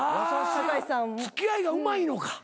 あ付き合いがうまいのか。